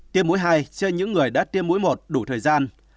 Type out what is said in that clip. tiêm mũi hai trên những người đã tiêm mũi một đủ thời gian